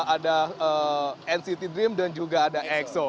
ada nct dream dan juga ada exo